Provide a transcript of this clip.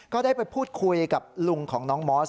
ก็ได้ไปพูดคุยกับลุงของน้องมอส